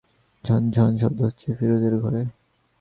ঝন ঝন শব্দ হচ্ছে ফিরোজের ঘরে।